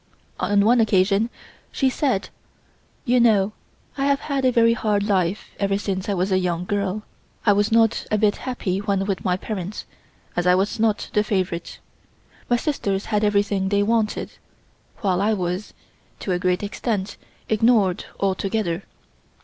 On one occasion she said: "You know I have had a very hard life ever since I was a young girl. I was not a bit happy when with my parents, as I was not the favorite. My sisters had everything they wanted, while I was, to a great extent, ignored altogether.